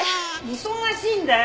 忙しいんだよ！